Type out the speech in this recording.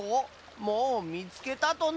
もうみつけたとな？